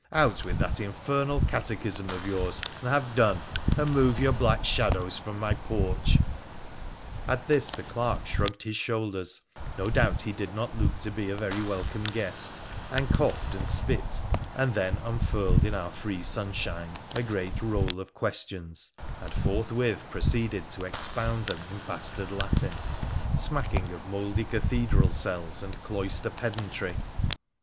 Out with that infernal catechism of yours, and have done, and move your black shadows from my porch.' At this the clerk shrugged his shoulders — no doubt he did not look to be a very welcome guest — and coughed and spit, and then unfurled in our free sunshine a great roll of questipns, and forthwith proceeded to expound them in bastard Latin, smacking of mouldy cathedral cells and cloister pedantry.